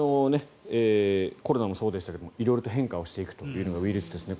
コロナもそうでしたけど色々変化していくというのがウイルスですね。